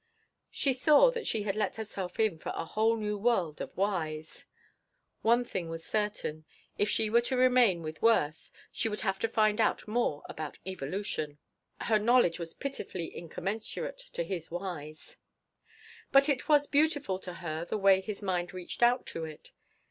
She saw that she had let herself in for a whole new world of whys. One thing was certain: if she were to remain with Worth she would have to find out more about evolution. Her knowledge was pitifully incommensurate to his whys. But it was beautiful to her the way his mind reached out to it.